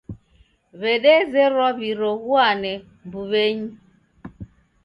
W'edezerwa w'iroghuane mbuw'enyi.